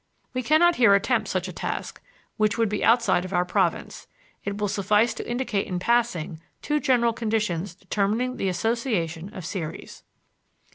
We can not here attempt such a task, which would be outside of our province; it will suffice to indicate in passing two general conditions determining the association of series.